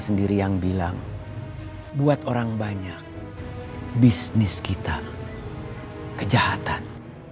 sendiri yang bilang buat orang banyak bisnis kita kejahatan